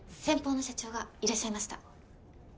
先方の社長がいらっしゃいました。